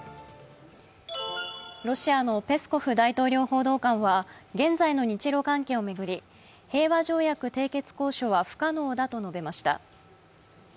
ロシアのペスコフ大統領報道官は現在の日ロ関係を巡り、平和条約締結交渉は不可能だと述べました。